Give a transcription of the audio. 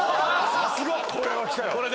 これは来たよ！